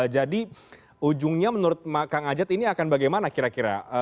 jadi ujungnya menurut kang ajat ini akan bagaimana kira kira